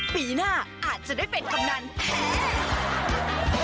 ปีหน้าอาจจะได้เป็นกำนันแท้